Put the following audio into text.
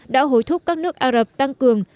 đã hối thúc các nước ả rập tăng cường